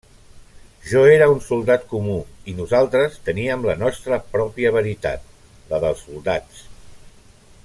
Jo era un soldat comú i nosaltres teníem la nostra pròpia veritat, la dels soldats.